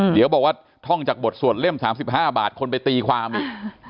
เดี๋ยวบอกว่าท่องจากบทสวดเล่ม๓๕บาทคนไปตีความอีก